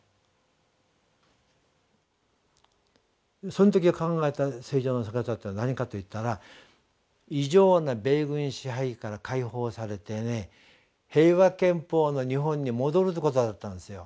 その時考えた「正常な姿」とは何かと言ったら異常な米軍支配から解放されてね平和憲法の日本に戻るということだったんですよ。